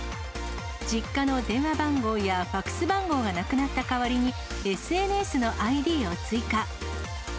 実家の電話番号やファックス番号がなくなった代わりに、ＳＮＳのＩＤを追加。